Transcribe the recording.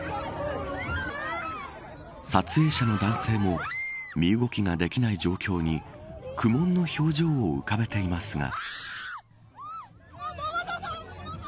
撮影者の男性も身動きができない状況にくもんの表情を浮かべていますが。